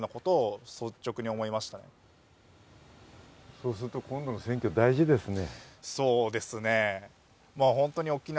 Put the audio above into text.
そうすると、今度の選挙は大事ですね。